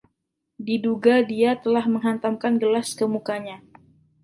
Diduga dia telah menghantamkan gelas ke mukanya.